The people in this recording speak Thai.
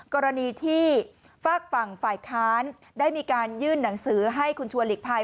กรณีที่ฝากฝั่งฝ่ายค้านได้มีการยื่นหนังสือให้คุณชัวร์หลีกภัย